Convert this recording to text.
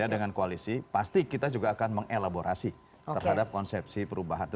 ya dengan koalisi pasti kita juga akan mengelaborasi terhadap konsepsi perubahan